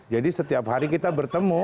jadi setiap hari kita bertemu